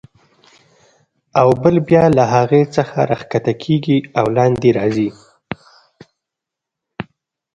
او بل بیا له هغې څخه راکښته کېږي او لاندې راځي.